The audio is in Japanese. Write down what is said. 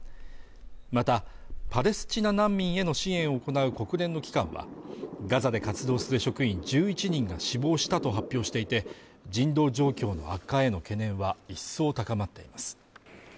またパレスチナ難民への支援を行う国連の機関はガザで活動する職員１１人が死亡したと発表していて人道状況の悪化への懸念は一層高まっています